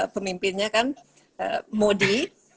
pemimpinnya kan modi